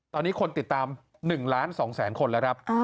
ตอนนี้คนติดตาม๑๒ล้านคนหล่ะครับ